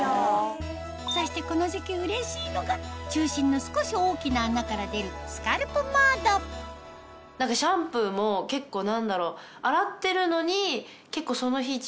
そしてこの時期うれしいのが中心の少し大きな穴から出るシャンプーも結構何だろう。